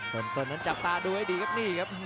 ต้นนั้นจับตาดูให้ดีครับนี่ครับ